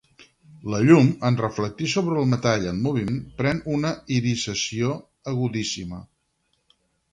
La llum en reflectir sobre el metall en moviment pren una irisació agudíssima